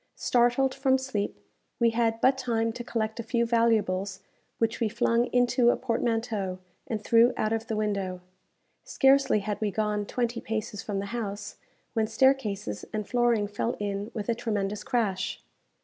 Startled from sleep, we had but time to collect a few valuables which we flung into a portmanteau, and threw out of the window. Scarcely had we gone twenty paces from the house, when staircases and flooring fell in with a tremendous crash.